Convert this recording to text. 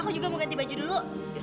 aku juga mau ganti baju dulu